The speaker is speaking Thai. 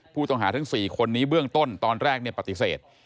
ผู้ต้องหาทั้ง๔คนนี้เบื้องต้นตอนแรกปฏิเสธ